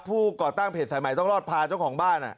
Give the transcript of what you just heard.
ก่อตั้งเพจสายใหม่ต้องรอดพาเจ้าของบ้าน